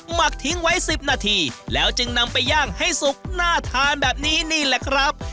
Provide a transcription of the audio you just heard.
หมักทิ้งไว้๑๐นาทีแล้วจึงนำไปย่างให้สุกน่าทานแบบนี้นี่แหละครับ